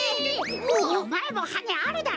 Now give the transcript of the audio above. おまえもはねあるだろ！